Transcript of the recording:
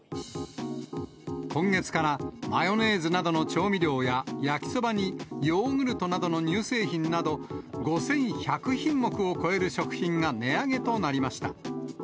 今月からマヨネーズなどの調味料や、焼きそばにヨーグルトなどの乳製品など、５１００品目を超える食品が値上げとなりました。